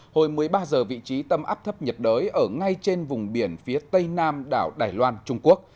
hồi một mươi ba h vị trí tâm áp thấp nhiệt đới ở ngay trên vùng biển phía tây nam đảo đài loan trung quốc